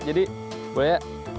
jadi boleh ya